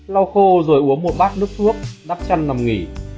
lau khô rồi uống một bát nước thuốc đắp chăn nằm nghỉ